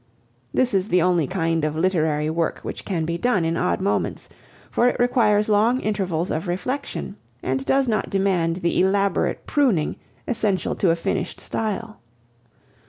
This is the only kind of literary work which can be done in odd moments, for it requires long intervals of reflection, and does not demand the elaborate pruning essential to a finished style.